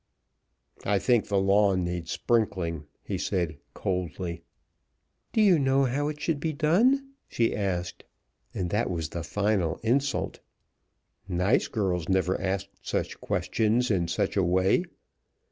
"I think the lawn needs sprinkling," he said, coldly. "Do you know how it should be done?" she asked, and that was the final insult. Nice girls never asked such questions in such a way.